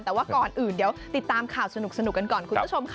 แต่ว่าก่อนอื่นเดี๋ยวติดตามข่าวสนุกกันก่อนคุณผู้ชมค่ะ